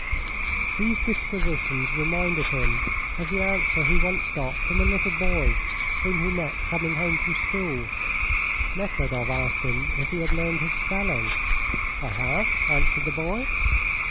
These disquisitions reminded him of the answer he once got from a little boy whom he met coming home from school. Nekhludoff asked him if he had learned his spelling. "I have," answered the boy.